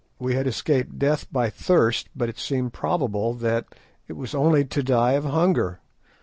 We had escaped death by thirst, but it seemed probable that it was only to die of hunger.